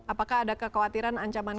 apakah ada kekhawatiran ancaman